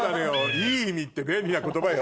「いい意味」って便利な言葉よ